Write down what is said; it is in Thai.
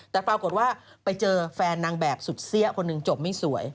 แต่ปรากฏว่าไปเจอแฟนนางแบบสุดเสี้ยคนหนึ่งจบไม่สวย